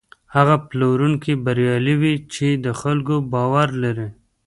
هغه پلورونکی بریالی وي چې د خلکو باور لري.